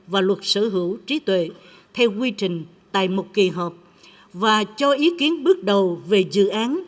và luật sở hữu trí tuệ theo quy trình tại một kỳ họp và cho ý kiến bước đầu về dự án